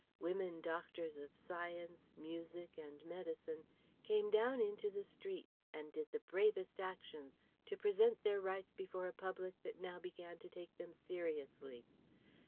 Women doctors of Science, Music, and Medicine came down into the streets and did the bravest actions to present their rights before a public that now began to take them seriously.